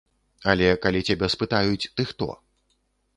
Але калі цябе спытаюць ты хто?